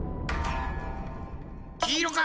きいろか？